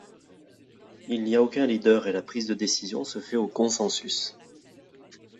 Il n'y a aucun leader et la prise de décisions se fait au consensus.